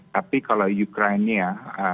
tapi kalau ukraina